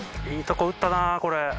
いいとこ打ったなこれ。